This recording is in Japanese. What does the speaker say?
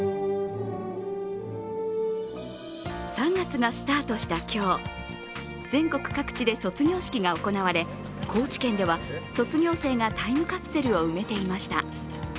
３月がスタートした今日全国各地で卒業式が行われ高知県では、卒業生がタイムカプセルを埋めていました。